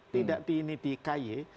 tidak di ini di kj